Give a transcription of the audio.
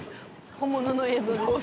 本物の映像です